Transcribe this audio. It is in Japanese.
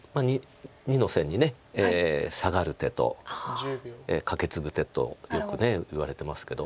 ２の線にサガる手とカケツグ手とよくいわれてますけど。